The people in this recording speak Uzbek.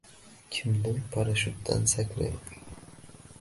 Kimdir parashutdan sakraydi